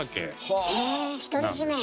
へえ独り占め。